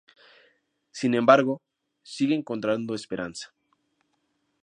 Sin embargo, sigue encontrando esperanza.